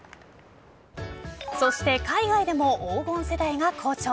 そして海外でも黄金世代が好調。